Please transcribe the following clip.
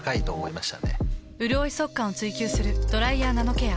うるおい速乾を追求する「ドライヤーナノケア」。